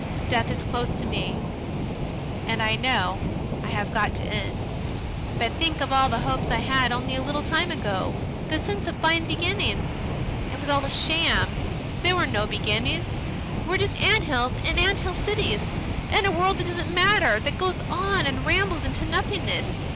Death is close to me, and I know I have got to end. But think of all the hopes I had only a little time ago, the sense of fine beginnings!... It was all a sham. There were no beginnings.... We're just ants in ant hill cities, in a world that doesn't matter; that goes on and rambles into nothingness.